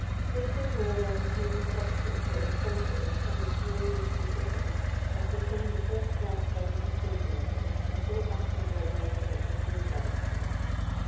Smeaton, Weardale & Smeaton's offices were extensive, and luxuriously fitted, as became a first class firm of estate agents in so fashionable a neighbourhood as New Bond Street.